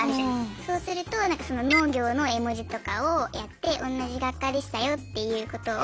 そうするとその農業の絵文字とかをやって同じ学科でしたよっていうことを。